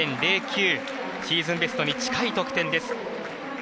シーズンベストに近い得点です。